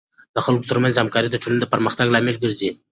د خلکو ترمنځ همکاري د ټولنې د پرمختګ لامل ګرځي.